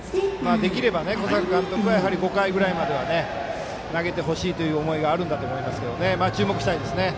できれば小坂監督が５回くらいまで投げてほしいという思いがあるんだと思いますが注目したいですね。